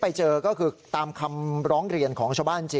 พระขู่คนที่เข้าไปคุยกับพระรูปนี้